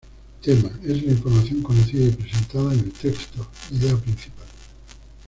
Tema:es la información conocida y presentada en el texto, idea principal.